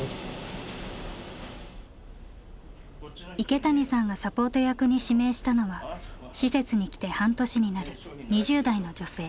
池谷さんがサポート役に指名したのは施設に来て半年になる２０代の女性。